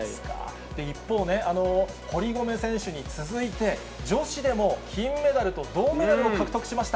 一方ね、堀米選手に続いて、女子でも金メダルと銅メダルを獲得しました。